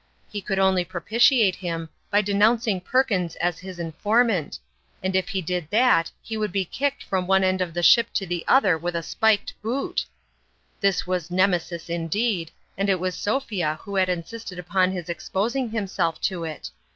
He could only propitiate him by denouncing Perkins as 166 tourmalin's ime Cheques. his informant, and if he did that he would be kicked from one end of the ship to the other with a spiked boot ! This was Nemesis indeed, and it was Sophia who had insisted upon his exposing himself to it.